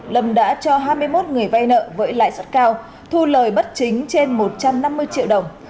lâm đã cho hai mươi một người vay nợ với lãi suất cao thu lời bất chính trên một trăm năm mươi triệu đồng